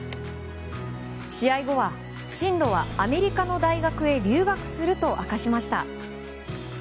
試合後は進路はアメリカの大学へ留学すると明かしました。